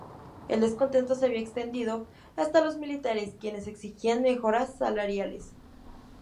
El descontento se había extendido hasta los militares, quienes exigían mejoras salariales.